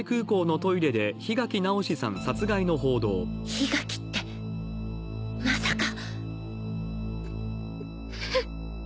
檜垣ってまさかううう。